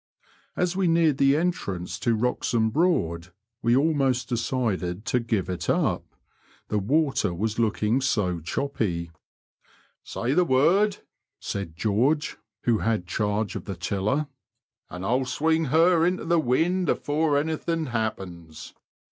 As we neared the entrance to Wroxham Broad, we ahnost decided to give it up, the water was looking so choppy. *' Say the word," said (Jeorge, who had charge of the tiller, '* and I'll swing her into the wind before anything happens."